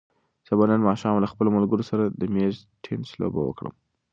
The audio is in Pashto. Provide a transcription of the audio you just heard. زه به نن ماښام له خپلو ملګرو سره د مېز تېنس لوبه وکړم.